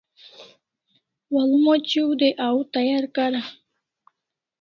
Walmoc ew day, au tayar kara